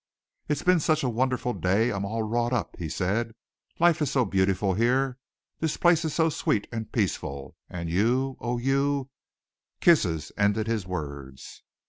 "It's been such a wonderful day I'm all wrought up," he said. "Life is so beautiful here. This place is so sweet and peaceful. And you! oh, you!" kisses ended his words.